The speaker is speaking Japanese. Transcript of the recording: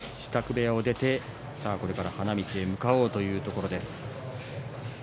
そして今玉鷲が支度部屋を出てこれから花道へ向かおうというところです。